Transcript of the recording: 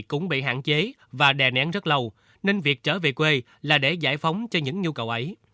cũng bị hạn chế và đè nén rất lâu nên việc trở về quê là để giải phóng cho những nhu cầu ấy